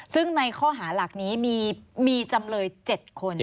ซึ่งในข้อหาหลักนี้มีจำเลย๗คน